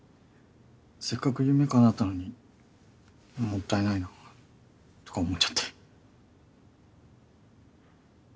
せっかく夢かなったのにもったいないなとか思っちゃって。